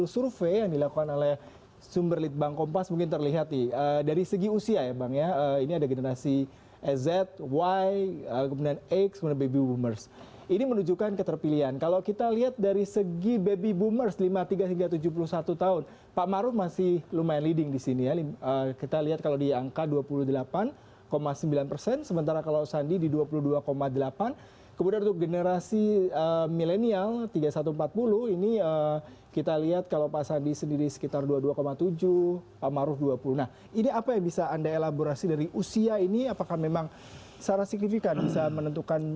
segera kembali terlalu bersama kami